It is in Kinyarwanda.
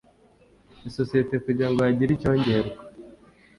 isosiyete kugira ngo hagire icyongerwa